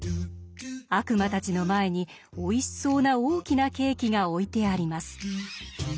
悪魔たちの前においしそうな大きなケーキが置いてあります。